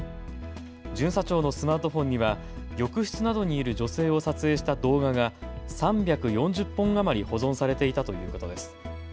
巡査長のスマートフォンには浴室などにいる女性を撮影した動画が３４０本余り保存されていたということです。